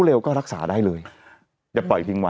เราก็มีความหวังอะ